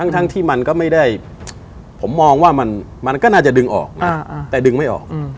ทั้งที่มันก็ไม่ได้ผมมองว่ามันก็น่าจะดึงออกแต่ดึงไม่ออก